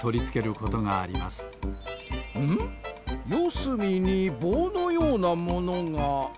すみにぼうのようなものが。